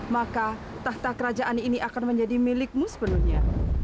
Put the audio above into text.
maka tahta kerajaan ini akan menjadi milikmu sepenuhnya